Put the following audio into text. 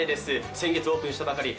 先月オープンしたばかり。